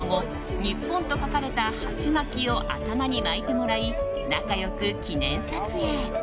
その後、日本と書かれたはちまきを頭に巻いてもらい仲良く記念撮影。